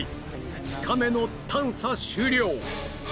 ２日目の探査終了！